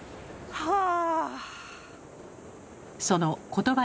はあ。